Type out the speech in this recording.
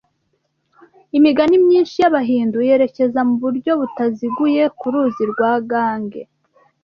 Imigani myinshi y’Abahindu yerekeza mu buryo butaziguye ku ruzi rwa Gange